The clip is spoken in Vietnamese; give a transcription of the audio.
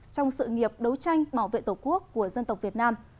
trong sự nghiệp đấu tranh bảo vệ tổ quốc của dân tộc việt nam